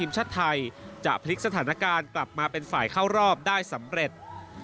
ทีมชาติไทยจะพลิกสถานการณ์กลับมาเป็นฝ่ายเข้ารอบได้สำเร็จ